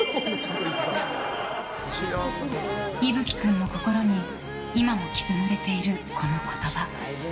ｉｖｕ鬼君の心に今も刻まれているこの言葉。